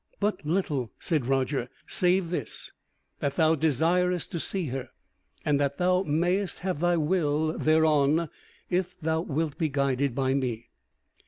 "But little," said Roger, "save this, that thou desirest to see her, and that thou mayest have thy will thereon if thou wilt be guided by me."